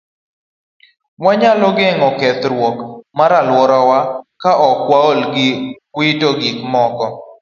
Wanyalo geng'o kethruok mar alworawa ka ok waol gi wito gik moko.